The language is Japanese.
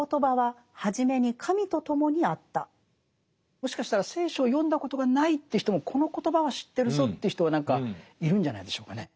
もしかしたら聖書を読んだことがないという人もこの言葉は知ってるぞという人は何かいるんじゃないでしょうかね。